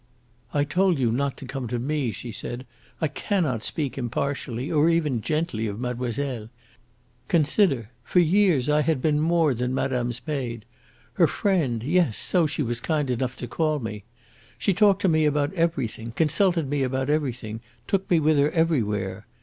"I told you not to come to me!" she said, "I cannot speak impartially, or even gently of mademoiselle. Consider! For years I had been more than madame's maid her friend; yes, so she was kind enough to call me. She talked to me about everything, consulted me about everything, took me with her everywhere.